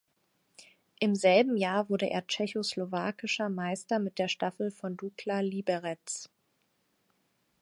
Im selben Jahr wurde er tschechoslowakischer Meister mit der Staffel von Dukla Liberec.